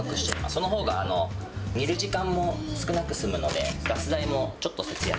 そのほうが煮る時間も少なく済むので、ガス代もちょっと節約。